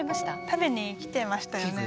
食べに来てましたよね。